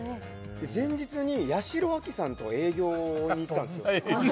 前日に八代亜紀さんと営業に行ったんですよ